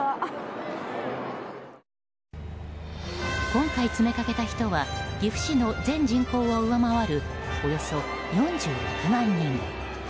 今回、詰めかけた人は岐阜市の全人口を上回るおよそ４６万人。